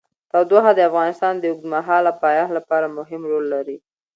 تودوخه د افغانستان د اوږدمهاله پایښت لپاره مهم رول لري.